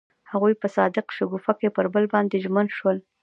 هغوی په صادق شګوفه کې پر بل باندې ژمن شول.